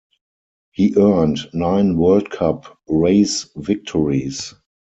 He earned nine World Cup race victories.